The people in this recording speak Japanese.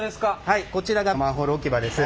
はいこちらがマンホール置き場です。